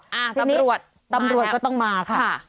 อ้าอตำรวจมาแล้วค่ะเฮ้ยตำรวจก็ต้องมาค่ะค่ะ